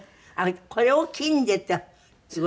これを金でってすごいすごい。